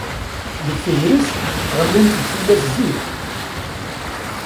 Deg tegrest, ɣellint-d tillas zik.